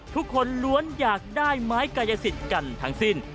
ทุกคนล้วนอยากได้ไม้กายสิทธิ์กันทั้งสิ้น